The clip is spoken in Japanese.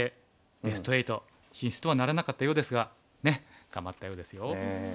ベスト８進出とはならなかったようですがねえ頑張ったようですよ。